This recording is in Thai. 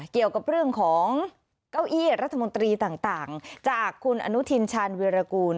เกี่ยวกับเรื่องของเก้าอี้รัฐมนตรีต่างจากคุณอนุทินชาญวิรากูล